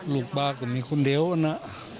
ลูกบ้าก็มีคนเดียวอ่นนั้น